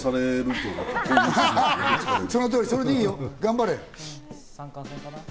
その通り、それでいいんだよ、頑張れ。